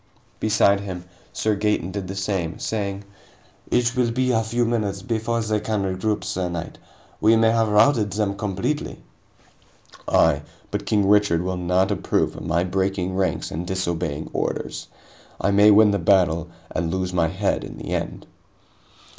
Beside him, Sir Gaeton did the same, saying: "It will be a few minutes before they can regroup, sir knight. We may have routed them completely." "Aye. But King Richard will not approve of my breaking ranks and disobeying orders. I may win the battle and lose my head in the end."